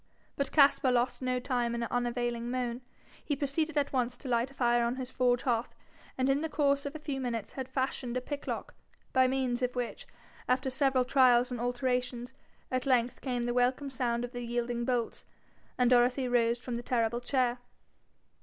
But Caspar lost no time in unavailing moan. He proceeded at once to light a fire on his forge hearth, and in the course of a few minutes had fashioned a pick lock, by means of which, after several trials and alterations, at length came the welcome sound of the yielding bolts, and Dorothy rose from the terrible chair.